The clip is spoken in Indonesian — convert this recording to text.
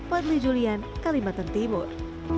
wadli julian kalimantan timur